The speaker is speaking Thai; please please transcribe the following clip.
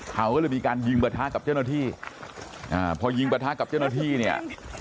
เขาก็เลยมีการยิงประทะกับเจ้าหน้าที่อ่าพอยิงประทะกับเจ้าหน้าที่เนี่ย